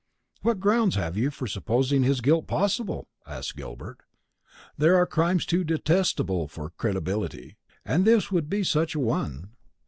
"What grounds have you for supposing his guilt possible?" asked Gilbert. "There are crimes too detestable for credibility; and this would be such a one.